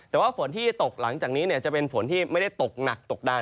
แต่ว่าฝนที่ตกหลังจากนี้จะเป็นฝนที่ไม่ได้ตกหนักตกได้